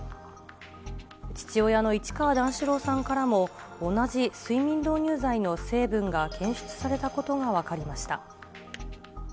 父親の市川段四郎さんからも、同じ睡眠導入剤の成分が検出されたことが分かりました。